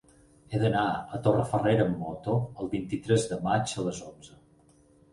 He d'anar a Torrefarrera amb moto el vint-i-tres de maig a les onze.